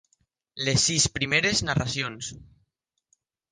Les sis primeres narracions.